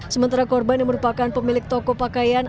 sementara korban yang merupakan pemilik toko pakaian